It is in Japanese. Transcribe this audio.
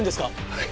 はい。